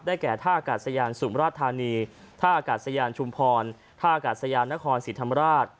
แก่ท่าอากาศยานสุมราชธานีท่าอากาศยานชุมพรท่ากาศยานนครศรีธรรมราช